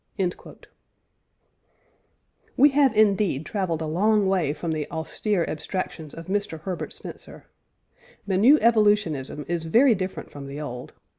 " We have indeed travelled a long way from the austere abstractions of Mr. Herbert Spencer. The new evolutionism is very different from the old.